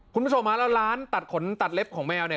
คุณผู้ชมฮะแล้วร้านตัดขนตัดเล็บของแมวเนี่ย